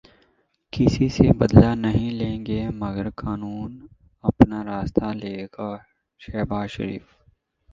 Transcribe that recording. کسی سے بدلہ نہیں لیں گے مگر قانون اپنا راستہ لے گا، شہباز شریف